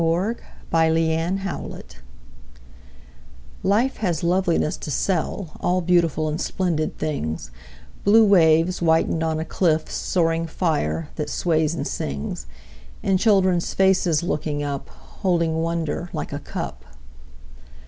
Sara Teasdale Barter LIFE has loveliness to sell, All beautiful and splendid things, Blue waves whitened on a cliff, Soaring fire that sways and sings, And children's faces looking up, Holding wonder like a cup.